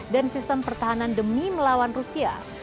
dan sistem pertahanan demi melawan rusia